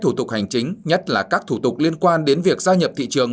thủ tục hành chính nhất là các thủ tục liên quan đến việc gia nhập thị trường